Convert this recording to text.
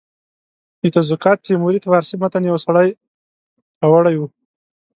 د تزوکات تیموري فارسي متن یو سړي راوړی وو.